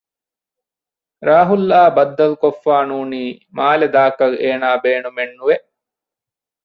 ރާހުލްއާ ބައްދަލުކޮށްފައި ނޫނީ މާލެ ދާކަށް އޭނާ ބޭނުމެއް ނުވެ